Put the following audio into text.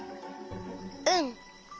うん。